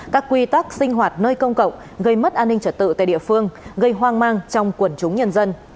các quy tắc sinh hoạt nơi công cộng gây mất an ninh trật tự tại địa phương gây hoang mang trong quần chúng nhân dân